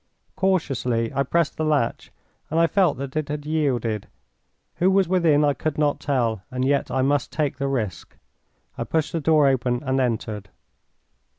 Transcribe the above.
Cautiously I pressed the latch, and I felt that it had yielded. Who was within I could not tell, and yet I must take the risk. I pushed the door open and entered.